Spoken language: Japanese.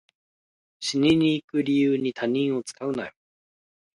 死にに行く理由に他人を使うなよ